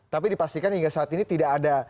tapi dipastikan hingga saat ini tidak ada